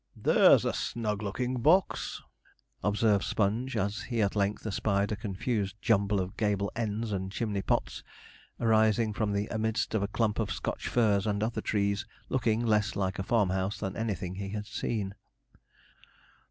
'There's a snug looking box,' observed Sponge, as he at length espied a confused jumble of gable ends and chimney pots rising from amidst a clump of Scotch firs and other trees, looking less like a farmhouse than anything he had seen.